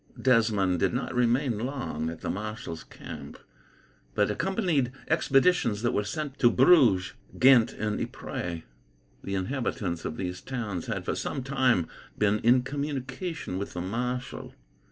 Desmond did not remain long at the marshal's camp, but accompanied expeditions that were sent to Bruges, Ghent, and Ypres. The inhabitants of these towns had, for some time, been in communication with the marshal.